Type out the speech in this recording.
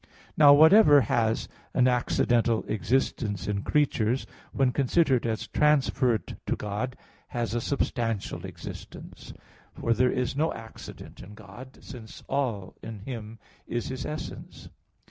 Now whatever has an accidental existence in creatures, when considered as transferred to God, has a substantial existence; for there is no accident in God; since all in Him is His essence.